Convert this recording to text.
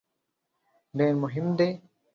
ډېر مهم دی.